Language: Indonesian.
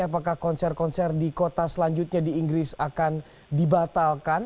apakah konser konser di kota selanjutnya di inggris akan dibatalkan